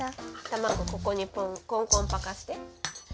卵ここにコンコンパカして。